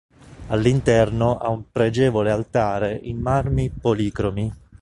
All'interno ha un pregevole altare in marmi policromi.